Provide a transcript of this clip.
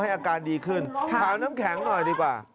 อาการดีขึ้นถามน้ำแข็งหน่อยดีกว่า